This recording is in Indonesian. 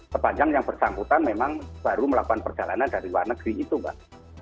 sepanjang yang bersangkutan memang baru melakukan perjalanan dari luar negeri itu mbak